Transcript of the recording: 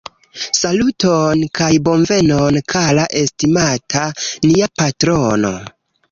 Saluton kaj bonvenon kara estimata, nia patrono